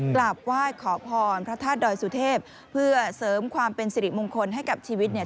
กราบไหว้ขอพรพระธาตุดอยสุเทพเพื่อเสริมความเป็นสิริมงคลให้กับชีวิตเนี่ย